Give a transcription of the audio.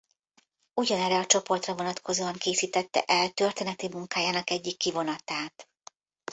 Ugyanerre a csoportra vonatkozóan készítette el történeti munkájának egyik kivonatát.